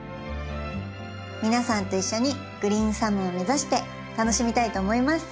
皆さんと一緒にグリーンサムを目指して楽しみたいと思います。